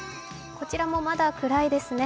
こちらもまだ暗いですね。